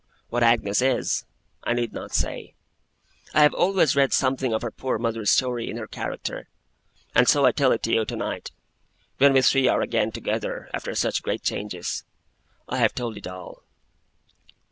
What Agnes is, I need not say. I have always read something of her poor mother's story, in her character; and so I tell it you tonight, when we three are again together, after such great changes. I have told it all.